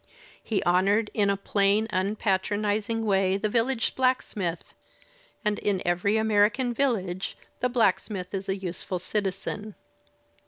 He honoured in a plain unpatronizing way the village blacksmith, and in every American village the blacksmith is a useful citizen.